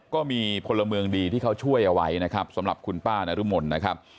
ก็มีพลเมืองดีที่เขาช่วยเอาไว้นะครับสำหรับคุณป้านรุมลนะครับ